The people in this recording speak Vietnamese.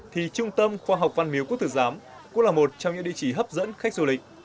thì trung tâm khoa học văn miếu quốc tử giám cũng là một trong những địa chỉ hấp dẫn khách du lịch